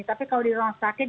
tapi kalau di rumah sakit